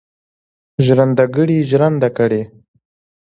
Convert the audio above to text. ژرندهګړی ژرنده کړي.